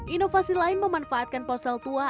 inovasi lain memanfaatkan ponsel tua